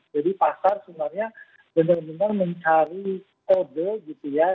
jadi pasar sebenarnya benar benar mencari kode gitu ya